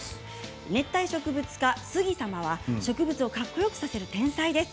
熱帯植物家、杉様は植物をかっこよくさせる天才です。